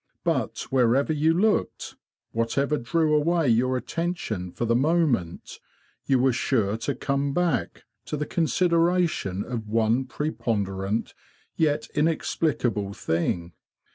But wherever you looked, whatever drew away your attention for the moment, you were sure to come back to the con sideration of one preponderant yet inexplicable thing.